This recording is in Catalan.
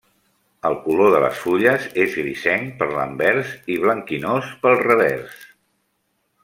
El color de les fulles és grisenc per l'anvers i blanquinós pel revers.